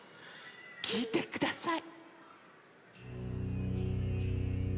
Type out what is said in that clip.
きいてください。